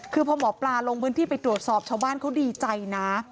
คือพอหมอปลาลงพื้นที่ไปตรวจสอบชาวบ้านเขาดีใจนะ